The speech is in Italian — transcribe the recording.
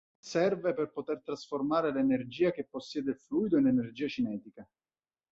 Serve per poter trasformare l'energia che possiede il fluido in energia cinetica.